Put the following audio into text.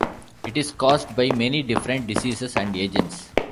It is caused by many different diseases and agents.